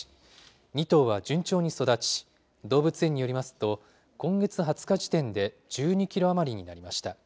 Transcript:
２頭は順調に育ち、動物園によりますと、今月２０日時点で１２キロ余りになりました。